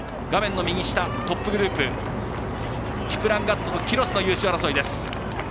トップグループキプランガットとキロスの優勝争い。